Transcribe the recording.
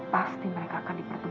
pasti mereka akan dipertemukan